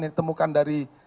yang ditemukan dari